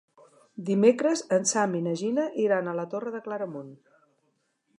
Dimecres en Sam i na Gina iran a la Torre de Claramunt.